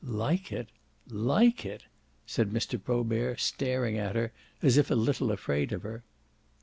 "Like it LIKE IT?" said Mr. Probert, staring at her as if a little afraid of her.